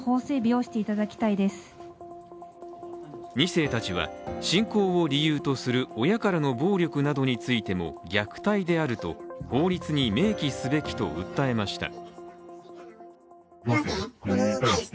２世たちは信仰を理由とする親からの暴力についても虐待であると法律に明記すべきと訴えました。